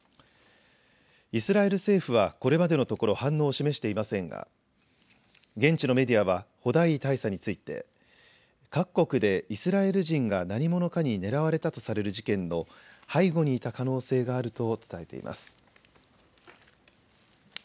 イスラエル政府はこれまでのところ、反応を示していませんが現地のメディアはホダイー大佐について各国でイスラエル人が何者かに狙われたとされる事件の背後にいた可能性があると伝えています。